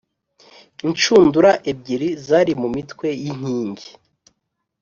inshundura ebyiri zari ku mitwe y inkingi